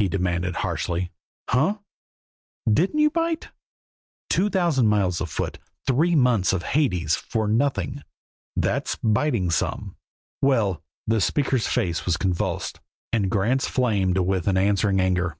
he demanded harshly. "Hunh! Didn't you bite? Two thousand miles afoot; three months of Hades; for nothing. That's biting some." "Well!" The speaker's face was convulsed, and Grant's flamed with an answering anger.